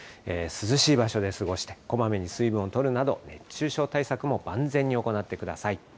涼しい場所で過ごして、こまめに水分をとるなど、熱中症対策も万全に行ってください。